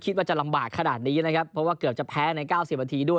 ก็ทำให้เรารู้ว่าน้องทำหน้าที่นี่ได้ถึงแม้ว่าเราจะเหลือแค่๑๐คนและฉลาด